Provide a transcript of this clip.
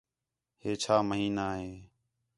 ہِے چھا مہینہ ہے؟